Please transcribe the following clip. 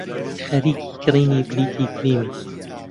خەریکی کڕینی بلیتی فیلمین.